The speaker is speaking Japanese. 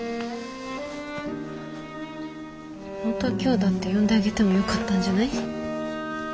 本当は今日だって呼んであげてもよかったんじゃない？